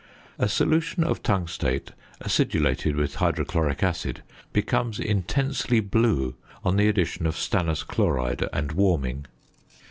A solution of tungstate acidulated with hydrochloric acid becomes intensely blue on the addition of stannous chloride and warming.